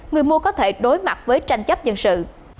người mua có thể đối mặt với tranh chấp dân sự